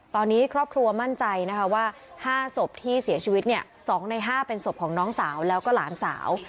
ตอนนี้ครอบครัวมั่นใจนะคะว่า๕ศพที่เสียชีวิตเนี่ย๒ใน๕เป็นศพของน้องสาวแล้วก็หลานสาว